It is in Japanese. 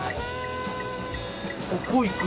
ここ行く？